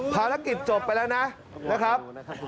ภารกิจจบไปแล้วนะครับ